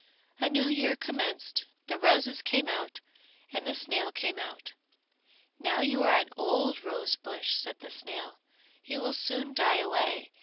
A new year commenced; the roses came out, and the snail came out. "Now you are an old rose bush," said the snail, "you will soon die away.